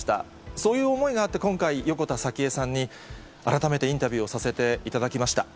そういう思いがあって今回、横田早紀江さんに改めてインタビューをさせていただきました。